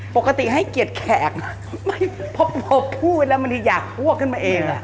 ปกติให้เกียจแขกพอพูดแล้วมันอยากหัวกขึ้นมาเอง